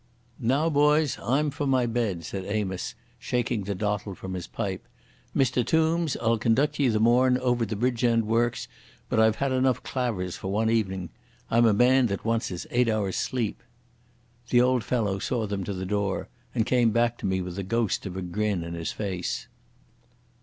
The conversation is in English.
"Now, boys, I'm for my bed," said Amos, shaking the dottle from his pipe. "Mr Tombs, I'll conduct ye the morn over the Brigend works, but I've had enough clavers for one evening. I'm a man that wants his eight hours' sleep." The old fellow saw them to the door, and came back to me with the ghost of a grin in his face.